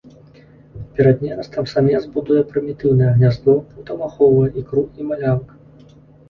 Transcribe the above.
Перад нерастам самец будуе прымітыўнае гняздо, потым ахоўвае ікру і малявак.